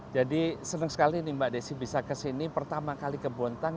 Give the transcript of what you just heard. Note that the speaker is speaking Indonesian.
jadi senang sekali nih mbak desi bisa kesini pertama kali ke bontang